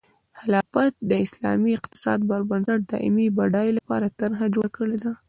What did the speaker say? خلافت د اسلامي اقتصاد په بنسټ د دایمي بډایۍ لپاره طرحه جوړه کړې ده.